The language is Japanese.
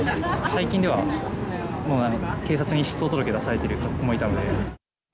最近では、警察に失踪届出されている子もいたので。